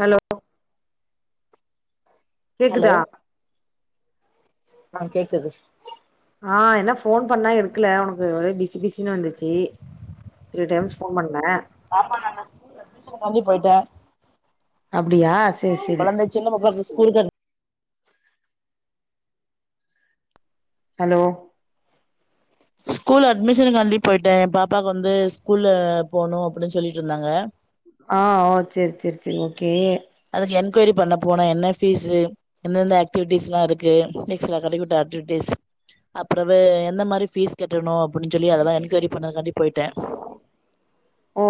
Hello hello கேக்குதா ஆ கேக்குது ஆ என்ன ஃபோன் பண்ணா எடுக்கல உனக்கு ஒரே பிசி பிசினு வந்துச்சு த்ரீ டைம்ஸ் ஃபோன் பண்ண ஆமா நாங்க ஸ்கூல் அட்மிஷன் காண்டி போயிட்டே அப்டியா சேரி சேரி கொழந்தை சின்ன பாப்பா ஸ்கூலுக்கனுப் ஹலோ ஸ்கூல் அட்மிஷனுகாண்டி போயிட்டே எ பாப்பாக்கு வந்து ஸ்கூல்ல போகணு அப்டின்னு சொல்ட்டு இருந்தாங்க ஆ ஓ செரி செரி செரி ஓகே அதுக்கு என்கொயரி பண்ண போனா என்ன ஃபீஸு எந்தெந்த ஆக்டிவிட்டிஸ் லா இருக்கு எக்ஸ்ட்ரா கரிக்குட்டா ஆக்டிவிட்டிஸ் அப்புறவு எந்த மாதிரி ஃபீஸ் கட்டணு அப்டின்னு சொல்லி அதெல்லா என்கொயரி பண்ணத காண்டி போயிட்டே ஓ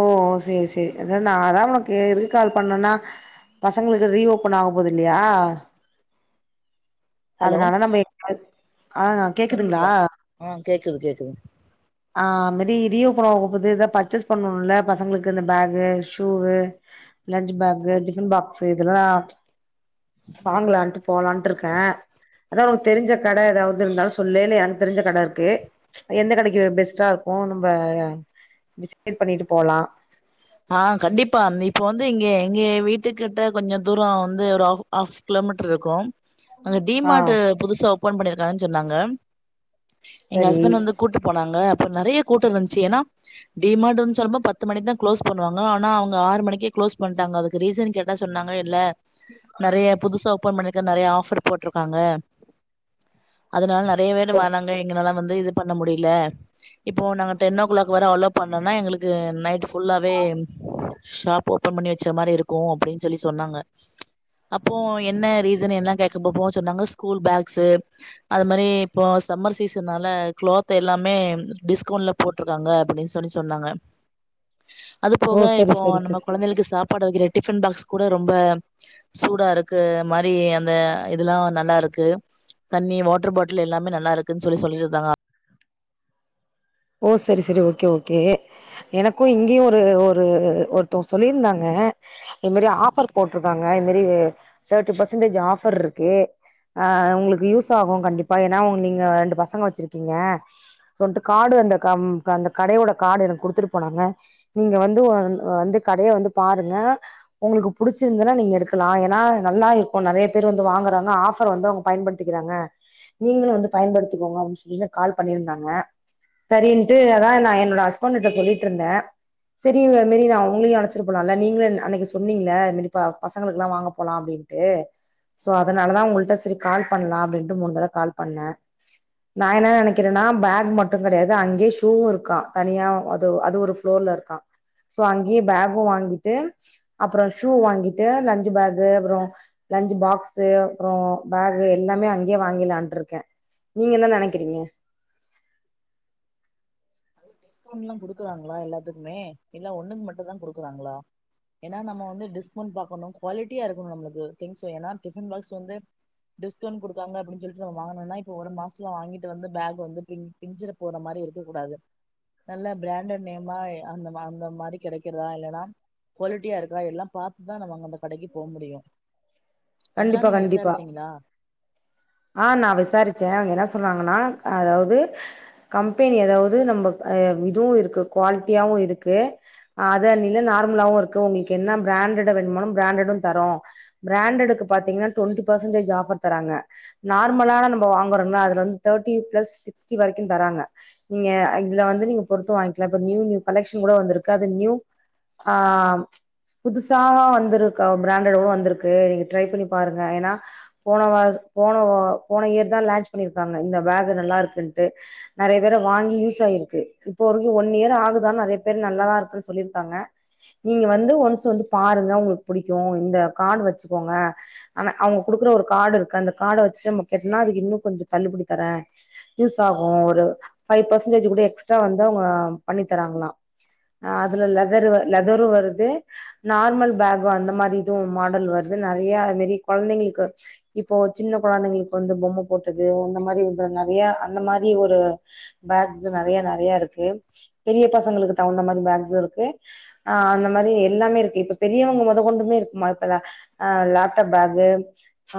சேரி சேரி அத நாதா ஒனக்கு ரீ கால் பண்ணனா பசங்களுக்கு ரீ ஓபன் ஆவப் போது இல்லியா ஹலோ அதனால நம்ம [inaudible] ஆ கேக்குதுங்ளா அ கேக்குது கேக்குதுங் ஆ மேரி ரீ ஓபன் ஆகப்போது எதாப் பர்ச்சேஸ் பண்ணனுல்ல பசங்ளுக்கு இந்த bag shoe lunch bag tiffin box இதெல்லா வாங்கலான்ட்டு போலான்ட்ருக்கே அதா ஒனக் தெரிஞ்சக் கட எதாவ்து இருந்தாலு சொல்லே இல்ல எனக் தெரிஞ்ச கட இருக்கு எந்த கடைக் க பெஸ்ட்டாருக்கு நம்ப டிசைட் பண்ணிட்டு போலா ஆ கண்டிப்பா இப்ப வந்து இங்க எங்க வீட்டுக்கிட்ட கொஞ்சந் தூர வந்து ஒரு ஆஃப் ஆஃப் கிலோமீட்ருக்கு அங்க டி ஆ மார்ட்டு புதுசா ஓப்பன் பண்ணிருக்காங்கன் சொன்னாங்க எங்க சரி ஹஸ்பண்ட் வந்துக் கூட்டு போனாங்க அப்ப நெறைய கூட்டோ இருஞ்ச்சி ஏனா டி மார்ட்டுன் சொல்லம்போ பத்து மணிக்தான் க்ளோஸ் பண்ணுவாங்க ஆனா அவுங்க ஆறு மணிக்கே க்ளோஸ் பண்ட்டாங்க அதுக்கு ரீசன் கேட்டா சொன்னாங்க இல்ல நெறைய புதுசா ஓப்பன் பண்ணிருக்க நெறையா ஆஃபர் போட்ருக்காங்க அதனால நெர் ரே பேர் ஓ மானாங்க எங்கனலா வந்து இதுப் பண்ண முடில இப்போ நாங்க டென் ஓக் கிளாக் வர அலோப் பண்ணனா எங்களுக்கு நைட்டுச் ஃபுல்லாவே ஷாப் ஓப்பன் பண்ணி வச்ச மாரி இருக்கு அப்டின் சொல்லி சொன்னாங்க அப்போ என்ன ரீசன் என்ன கேட்க போ போ சொன்னாங்க ஸ்கூல் பேக்ஸ்ஷு அது மாரி இப்போ சம்மர் சீசனால குளோத் எல்லாமே டிஸ்கவுண்ட்லப் போட்ருக்காங்க அப்டின் சொல்லி சொன்னாங்க அதுப் ஓ போக சரி இப்போ சரி நம்ம சரி கொழந்தைகளுக்கு சாப்பாடு வக்கிற டிஃபன் பாக்ஸ் கூட ரொம்ப சூடா இருக்கு மாரி அந்த இதுலா நல்லாருக்கு தண்ணி வாட்ரு பாட்லு எல்லாமே நல்லாருக்குன் சொல்லி சொல்லிருந்தாங்க ஓ செரி செரி ஓகே ஓகே எனக்கு இங்கியு ஒரு ஒர் ஒரு ஒருத்தவுங்க சொல்லிருந்தாங்க இது மேரி ஆஃபர் போட்ருக்காங்க இது மேரி தேர்ட்டி பர்சன்டேஜூ ஆஃபர்ருக்கு அ உங்ளுக்கு யூஸ் ஆகு கண்டிப்பா ஏனா வு நீங்க ரெண்டு பசங்க வச்சிருக்கீங்க சொன்ட்டுக்கு கார்டு அந்த கம் கந்தக் கடையோட கார்டு எனக் குடுத்துடு போனாங்க நீங்க வந்து ஒ வந்து கடைய வந்து பாருங்க ஒங்குளுக்கு புடிச்சிந்தனா நீங்க எடுக்கலா ஏனா நல்லா இருக்கு நெறைய பேர் வந்து வாங்கறாங்க ஆஃபர் வந்து அவுங்கப் பயன்படுத் திக்கிறாங்க நீங்களு வந்து பயன்படுத்திக்கோங்க அப்டின் சொல்லி கால் பண்ணிருந்தாங்க சரின்ட்டு அதா நா என்னோட ஹஸ்பண்ட் கிட்ட சொல்லிட்ருந்தே செரி இல்ல இன் மேரி நா அவுங்ளியு அழச்சிட்டு போலா இல்ல நீங்ளு என் அன்னைக்கு சொன்னீங்ள இன் மேரி ப பசங்ளுக்குலா வாங்கப் போலா அப்டின் ட்டு சோ அதனாலதா உங்கள்ட்ட செரி கால்ப் பண்லா அப்டின்ட்டு மூனு தரவ கால்ப் பண்ணே நா என்ன நெனைக்கிறேனா பேக் மட் டுங் கெடையாது அங்கியே ஷூவு இருக்கா தனியா அது அது ஒரு ப்ளோர்ல இருக்கா சோ அங்கியே பேகு வாங்கிட்டு அப்றோ ஷூ வாங்கிட்டு லஞ்ச்சு பேகு அப்றோ லஞ்ச்சு பாக்ஸ்சு அப்றோ பேகு எல்லாமே அங்கியே வாங்கில்லான்ட்ருக்கே நீங்க என்ன நெனைக்கிறீங்க டிஸ்கவுண்ட்லாங் குடுக்கறாங்ளா எல்லாத்துக்மே இல்ல ஒன்னுக் மட்டுந்தா குடுக்கறாங்ளா ஏனா நம்ம வந்து டிஸ்கவுண்ட் பாக்கணும் குவாலிட்டியா இருக்கணு நம்ளுக்கு திங்ஸ் வேணா டிஃபன் பாக்ஸ் வந்து டிஸ்கவுண்ட் குடுக்காங்க அப்டின் சொல்ட்டு நம்ம வாங்கனோனா இப்போ ஒரு மாச்த்ல வாங்கிட்டு வந்து பேக் வந்து பிஞ் பிஞ்சிர போற மாரி இருக்க கூடாது நல்ல ப்ராண்டட் நேம்மாய் அந்தம அந்த மாரி கெடைக்கிறதா இல்லனா குவாலிட்டியா இருக்கா எல்லா பாத்துதா நம்ம அங்க அந்த கடைக்கு போ முடியு அதுல்லா கண்டிப்பா நீங்க கண்டிப்பா விசாரிச்சீங்களா ஆ நா விசாரிச்சே அவிய்ங்க என்ன சொன்னாங்கன்னா அதாவ்து கம்பெனி அதாவ்து நம்ம ஆ இதுவு இருக்கு குவாலிட்டியாவு இருக்கு அத நீங்க நார்மலாவு இருக்கு உங்ளுக்கு என்ன பிரான்ட்டடா வேணுமோ பிரான்ட்டடு தரோ ப்ரான்டடுக்கு பாத்தீங்கனா ட்வென்டி பர்சன்டேஜ் ஆஃபர் தராங்க நார்மலான நம்ப வாங்கறம்ல அதுல வந்து தேர்ட்டி ப்ளஸ் சிக்ஸ்டி வரைக்கு தராங்க நீங்க இதுல வந்து நீங்க பொருத்து வாங்கிக்லா இப்ப நியூ நியூ கலெக்ஷன் கூட வந்துருக்கு அது நியூ ஆ புதுசாவா வந்துருக்க பிரான்டட் கூட வந்துருக்கு ட்ரை பண்ணி பாருங்க ஏனா போன வ போனவோ போன இயர் தா லான்ச் பண்ணிருக்காங்க இந்த பேக்கு நல்லாருக்குன்ட்டு நறய தடவ வாங்கி யூஸ் ஆயிருக்கு இப்போ வரைக்கு ஒன் இயர் ஆகுதா நறய பேர் நல்லாதா இருக்குன் சொல்லிருக்காங்க நீங்க வந்து ஒன்ஸ் வந்து பாருங்க உங்ளுக்கு புடிக்கு இந்த கார்டு வச்சுக்கோங்க ஆனா அவுங்க குடுக்குற ஒரு கார்டுருக்கு அந்த காட வச்சு நம்ம கேட்டனா அதுக்கு இன்னு கொஞ்சோ தள்ளுபடி தரே யூஸ் ஆகு ஒரு ஃபைவ் பர்சன்டேஜ் கூட எக்ஸ்ட்ரா வந்து அவுங்க பண்ணி தராங்ளா ஆ அதுல லெதரு லெதரு வருது நார்மல் பேகு அந்த மாரி இதுவு மாடல் வ இந்த மாரிநறைய அது மேரி கொழந்தைங்ளுக்கு இப்போ சின்ன கொழந்தைங்களுக்கு வந்து பொம்ம போட்டது இந்த மாரி இந்த நறையா அந்த மாரி ஒரு பேக்ஸு நறையா நறையாருக்கு பெரிய பசங்களுக்கு தகுந்த மாரி பேக்ஸு இருக்கு ஆ அந்த மாரி எல்லாமே இருக்கு இப்ப பெரியோங்க மொத கொண்டுமே இருக்குமா இப்பல ஆ லேப்டாப் பேகு ஆ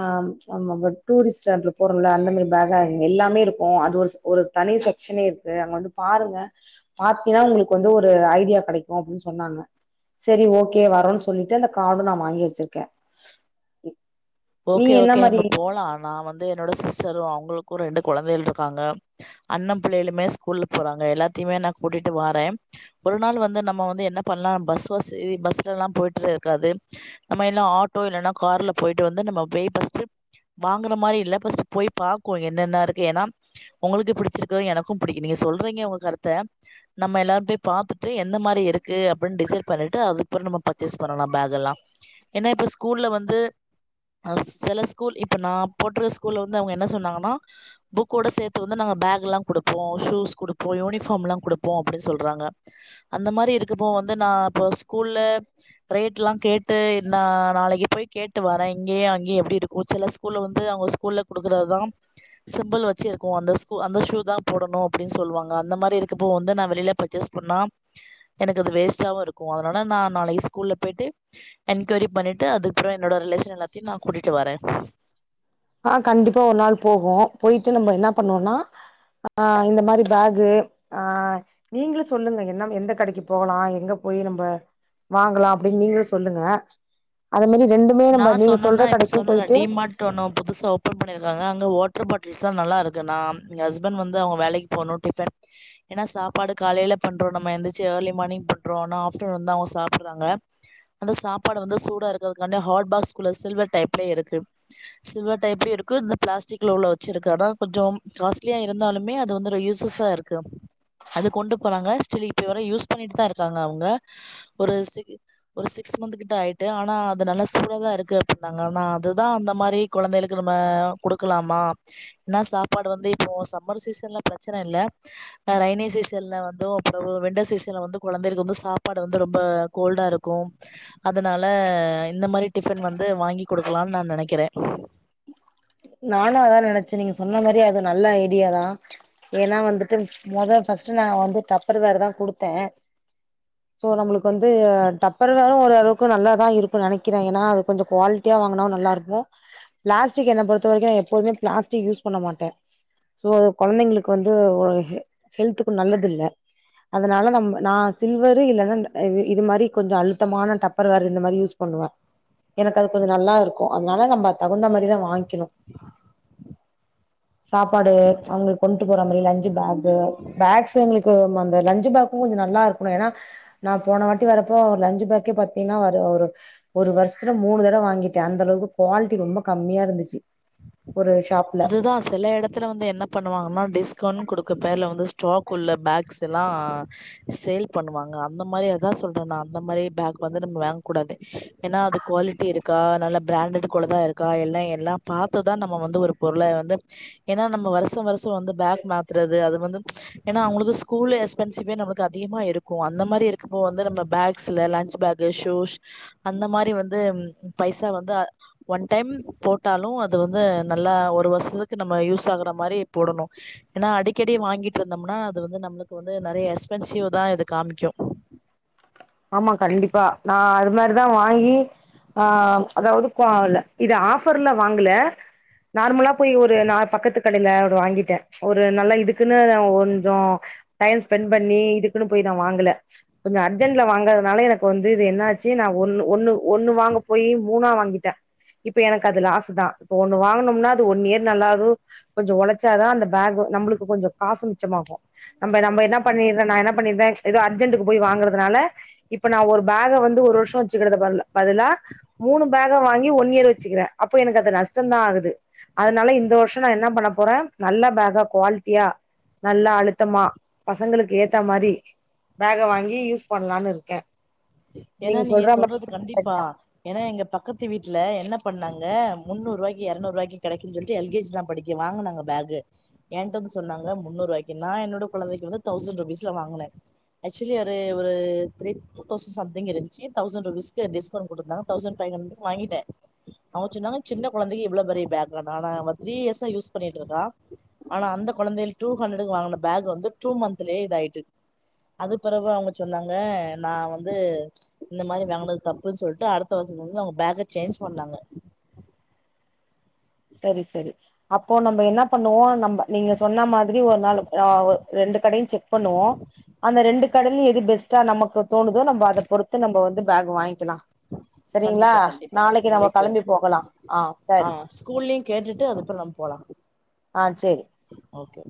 நம்ம ப்ப டூரிஸ்ட் ஸ்டார்ட்ல போறோல அந்த மாரி பேகு எல்லாமே இருக்கு அது ஒரு ஒரு தனி செக்ஷனே இருக்கு அங்க வந்து பாருங்க பாத்தின்னா ஒங்களுக்கு வந்து ஒரு ஐடியா கெடைக்கு அப்டின் சொன்னாங்க செரி ஓகே வரோன் சொல்லிட்டு அந்த கார்ட நா வாங்கி வச்சுருக்கே ஓகே என்ன ஓகே மாரி நம்ம போலா நா வந்து என்னோட சிஸ்டரு அவுங்களுக்கு ரெண்டு கொழந்தையள் இருக்காங்க அண்ண பிள்ளைளுமே ஸ்கூல்ல போறாங்க எல்லாத்தைமே நா கூட்டிட்டு வாரே ஒரு நாள் வந்து நம்ம வந்து என்ன பண்லா பஸ் வசி பஸ்லல்லா போய்ட்ரே இருக்காது நம்ம எல்லா ஆட்டோ இல்லன்னா கார்ல போய்ட்டு வந்து நம்ம போய் ஃபஸ்ட்டு வாங்குன மாரி இல்ல ஃபஸ்ட்டு போய் பாக்கோ என்னென்ன இருக்கு ஏனா ஒங்களுக்கு புடிச்சிருக்கு எனக்கு புடிக்கு நீங்க சொல்றீங்க ஒங்க கருத்த நம்ம எல்லாரு போய் பாத்துட்டு எந்த மாரி இருக்கு அப்டினு டிசைட் பண்ணிட்டு அதுக்ப்பறோ நம்ம பர்ச்சேஸ் பண்ணலா பேக்கல்லா ஏனா இப்ப ஸ்கூல்ல வந்து ஆ செல ஸ்கூல் இப்ப நா போட்ற ஸ்கூல்ல வந்து அவுங்க என்ன சொன்னாங்கனா புக்கோட சேத்து வந்து நாங்க பேக்ல்லா குடுப்போ ஷூஸ் குடுப்போ யூனிஃபார்ம்ல்லா குடுப்போ அப்டி சொல்றாங்க அந்த மாரி இருக்குப்போ வந்து நா இப்ப ஸ்கூல்ல ரேட்லா கேட் டு நா நாளைக்கு போய் கேட்டு வரே இங்கேயு அங்கயு எப்டி இருக்கு செல ஸ்கூல்ல வந்து அவுங்க ஸ்கூல்ல குடுக்கறது தா சிம்பிள் வச்சு இருக்கு அந்த ஸ் கு அந்த ஷூ தா போடணு அப்டின் சொல்வாங்க அந்த மாரி இருக்கப்ப வந்து நா வெளில பர்ச்சேஸ் பண்ணா எனக்கு அது வேஸ்ட்டாவு இருக்கு அதனால நா நாளைக்கு ஸ்கூல்ல போய்ட்டு என்கொய்ரி பண்ணிட்டு அதுப்றோ என்னோட ரிலேஷன் எல்லாத்தியு நா கூட்டிட்டு வரே ஆ கண்டிப்பா ஒர் நாள் போவோ போய்ட்டு நம்ம என்ன பண்ணுவோனா ஆ இந்த மாரி பேகு ஆ நீங்ளு சொல்லுங்க என்ன எந்த கடைக்கு போகலா எங்க போயி நம்ப வாங்லா அப்டின் நீங்ளு சொல்லுங்க அது மாரி ரெண்டுமே நம்ப நீங்க சொல்ற கடைக்கு போய்ட்டு ட்ரு ஒன்னு புதுசா ஓபன் பண்ணிருக்காங்க அங்க வாட்டர் பாட்டில்ஸ்லா நல்லா இருக்கு நா எ ஹஸ்பண்ட் வந்து அவங்க வேலைக்கு போணோ டிஃபன் ஏனா சாப்பாடு காலையில பண்றோ நம்ம எந்திச்சி ஏர்லி மார்னிங் பண்றோ ஆனா ஆஃப்டர்நூன் தா அவங்க சாப்புட்றாங்க அந்த சாப்பாடு வந்து சூடா இருக்கதுக்காண்ட ஹாட்ஃபாக்ஸ்குள்ள சில்வர் டைப்லயே இருக்கு சில்வர் டைப்லயு இருக்கு இன்னு பிளாஸ்டிக்ல உள்ள வெச்சுருக்க ஆனா கொஞ்சொ காஸ்ட்லியா இருந்தாலுமே அது வந்து ர யூசஸ் ஸா இருக்கு அது கொண்டு போறாங்க ஸ்டில் இப்ப வர யூஸ் பண்ணிட்டு தா இருக்காங்க அவங்க ஒரு சிக் ஒரு சிக்ஸ் மந்த் கிட்ட ஆயிட்டு ஆனா அந்த நல்லா சூடாதா இருக்கு அப்டின்னாங்க ஆனா அதுதா அந்த மாரி கொழந்தைகளுக்கு நம்ம குடுக்கலாமா ஏனா சாப்பாடு வந்து இப்போ சம்மர் சீசன்ல ப்ரச்சன இல்ல அ ரெய்னி சீசன்ல வந் து அப்புறோ விண்டர் சீசன்ல வந்து குழ தைகள்க்கு வந்து சாப்பாடு வந்து ரொம்ப கோல்டா இருக்கு அதனால இந்த மாரி டிஃபன் வந்து வாங்கி கொடுக்கலான்னு நா நெனைக்கிறே நானு அதா நெனச்சே நீங்க சொன்ன மாரி அது நல்ல ஐடியாதா ஏன்னா வந்துட்டு மொத ஃபர்ஸ்ட் நா வந்து டப்பர் வேர் தா குடுத்தே சோ நம்மளுக்கு வந்து டப்பர் வேரு ஓரளவுக்கு நல்லா தா இருக்கு நெனைக்கிறே ஏன்னா அது கொஞ்சொ குவால் ட்டியா வாங்குனா நல்லா இருக்கு பிளாஸ்டிக் என்ன பொறுத்த வரைக்கு எப்போதுமே பிளாஸ்டிக் யூஸ் பண்ண மாட்டே சோ அது கொழந்தைங்களுக்கு வந்து ஓ ஹெ ஹெல்த்துக்கு நல்லது இல்ல அதனால நம் நா சில்வரு இல்லன்னா ஆ இது மாரி கொஞ்ச அழுத்தமான டப்பர் வேரு இந்த மாரி யூஸ் பண்ணுவே எனக்கு அது கொஞ்ச நல்லா இருக்கு அதுனால நம்ம தகுந்த மாரிதா வாங்கிக்கணு சாப்பாடு அவங்களுக்கு கொண்ட்டு போற மாரி லஞ்சு பேக்கு பேக்ஸ்ஸு அவங்களுக்கு அந்த லஞ்சு பேக்கு கொஞ்ச நல்லா இருக்கணு ஏன்னா நா போன வாட்டி வரப்போ ஒரு லஞ்சு பேக்கே பாத்தீங்கன்னா வர ஒரு ஒரு வருஷத்துல மூணு தடவ வாங்கிட்டே அந்த அளவுக்கு குவாலிட்டி ரொம்ப கம்மியா இருந்துச்சு ஒரு ஷாப் அதுதா சில எடத்துல வந்து என்னப் பண்ணுவாங்கன்னா டிஸ்கவுண்ட் குடுக்க பேர்ல வந்து ஸ்டாக் உள்ள பேக்ஸ் எல்லா சேல் பண்ணுவாங்க அந்த மாரி அதா சொல்றே நா அந்த மாரி பேக் வந்து நம்ம வாங்க கூடாது ஏன்னா அது குவாலிட்டி இருக்கா நல்லா பிராண்டட் கூள்ள தா இருக்கா எல்லா எல்லா பாத்துதா நம்ம வந்து ஒரு பொருள வந்து ஏனா நம்ம வருஷ வருஷ வந்து பேக் மாத்துறது அது வந்து ஏன்னா அவங்களுக்கு ஸ்கூல் எக்ஸ்பென்சிவே நமளுக்கு அதிகமா இருக்கு அந்த மாரி இருக்கப்போ வந்து நம்ம பேக்ஸ்ல லஞ்ச் பேக் ல ஷூஷ் அந்த மாரி வந்து பைசா வந்து ஒன் டைம் போட்டாலு அது வந்து ந ல்லா ஒரு வருஷத்துக்கு நம்ம யூஸ் ஆகுற மாரி போடணு ஏனா அடிக்கடி வாங்கிட்டு இருந்தோம்னா அது வந்து நம்மளுக்கு வந்து நெறைய எக்ஸ்பென்சிவ் தா இது காமிக்கு ஆமா கண்டிப்பா நா அது மாரிதா வாங்கி ஆ அதாவது கோவல இது ஆஃபர்ல வாங்குல நார்மலா போய் ஒரு நா பக்கத்து கடையில ஒரு வாங்கிட்டே ஒரு நல்லா இதுக்குன்னு வொஞ்சோ டைம் ஸ்பெண்ட் பண்ணி இதுக்குன்னு போய் நா வாங்கல கொஞ்ச அன் டைம்ல வாங்கறதுனால எனக்கு வந்து இது என்ன ஆச்சு நா ஒண்ணு ஒண்ணு ஒண்ணு வாங்க போய் மூணா வாங்கிட்டே இப்ப எனக்கு அது லாசு தா இப்ப ஒண்ணு வாங்கனோம்னா அது ஒன் இயர் நல்லாகு கொஞ்சோ ஒழச்சாதா அந்த பேக்கு நம்மளுக்கு கொஞ்சோ காசு மிச்சமாகு நம்ப நம்ப என்னா பண்ணிட்ற நா என்னா பண்ணிட்றே எதோ அர்ஜென்ட்க்கு போய் வாங்குற துனால இப்ப நா ஒரு பேக வந்து ஒரு வருஷோ வெச்சுக்குறதுக் பதிலா பதிலா மூணு பேக வாங்கி ஒன் இயர் வெச்சுக்கிறே அப்போ எனக்கு அது நஷ்டந்தா ஆகுது அதனால இந்த வருஷோ நா என்ன பண்ண போறே நல்ல பேக்கா குவாலிட்டியா நல்லா அழுத்தமா பசங்களுக்கு ஏத்த மாரி பேக வாங்கி யூஸ் பண்லான்னு இருக்கே ஏன்னா நீங்க சொல்ற மாரி சொல்றது கண்டிப்பா சரிதா ஏன்னா எங்க பக்கத்து வீட்ல என்ன பண்ணாங்க முன்னூறுவாய்க்கு இருநூறுவாய்க்கு கெடக்குன்னு சொல்லிட்டு எல் கே ஜி தான் படி இங்கே வாங்கனாங்க பேகு என்ட்ட வந்து சொன்னாங்க முன்னூறுவாய்க்கு நா என்னோட கொழந்தைக்கு வந்து தௌசன் ருபீஸ்ல வாங்குனே ஆக்சுவலி அரே ஒரு த்ரி தௌசன் சம்திங்க் இருஞ்சு தௌசண்ட்ருபீ்ஸ்கு டிஸ்கவுண்ட் குடுத்தாங்க தௌசண்ட் ஃபைஹண்ரட்க்கு வாங்கிட்டே அவ்ங் சொன்னாங்க சின்ன கொழந்தைக்கு இவ்ளோ பெரிய பேக்கா நானா அவே த்ரீ ஏர்ஸா யூஸ் பண்ணிட்டு இருக்கான். ஆனா அந்த கொழந்தைள் டூ ஹண்ட்ரடக்கு வாங்கின பேக் வந்து டூ மந்த்லயே இத ஆயிட்டு அது பெறவு அவு‌ங்க சொன்னாங்க நா வந் து இந்த மாதிரி வாங்குனது தப்புன்னு சொல்லிட்டு அடுத்த வருசத்துல வந்து அவங்க பேக்க சேஞ்ச் பண்ணாங்க. சரி சரி அப்போ நம்ம என்ன பண்ணுவோ நம்ம நீங்க சொன்ன மாதிரி ஒரு நாள் ஆ ரெண்டு கடையும் செக் பண்ணுவோ அந்த ரெண்டு கடயில எது பெஸ்ட்டோ நமக்கு தோணுதோ நம்ம அத பொறுத்து நம்ம வந்து பேக் வாங்கிக்கலா. சரிங்களா கண்டிப்பா கண்டிப்பா நாளைக்கு நாம போவோ களம்பி போகலாம் ஆ சரி ஸ்கூல்லயு கேட்டுட்டு அதுகப்றோ நாம போலா ஆ செரி ஓகே